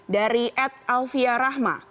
dari ed alvia rahma